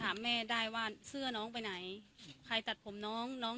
แต่แม่คิดว่าผลสรุปการตายของน้อง